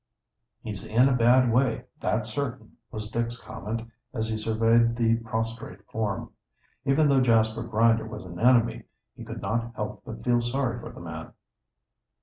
"He's in a bad way, that's certain," was Dick's comment, as he surveyed the prostrate form. Even though Jasper Grinder was an enemy, he could not help but feel sorry for the man.